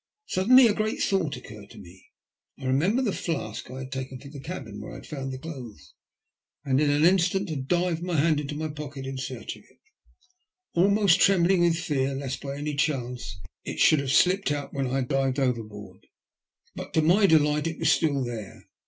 Sud denly a great thought occurred to me. I remembered the flask I had taken from the cabin where I had found the clothes. In an instant I had dived my hand into my pocket in search of it, almost trembling with fear lest by any chance it should have slipped out when I had dived overboard, but to my delight it was still there.